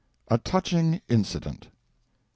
"] A TOUCHING INCIDENT. MR.